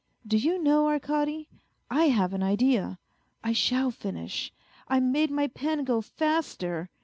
" Do you know, Arkady, I have an idea; I shall finish. I made my pen go faster